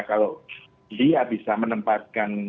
kalau dia bisa menempatkan